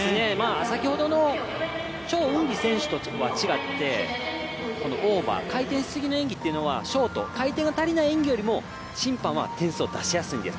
先ほどのチョ・ウンビ選手とは違ってオーバー、回転しすぎの動きよりはショート、回転が足りない演技よりも審判は点数を出しやすいんです。